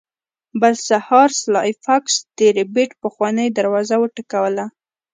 بل سهار سلای فاکس د ربیټ پخوانۍ دروازه وټکوله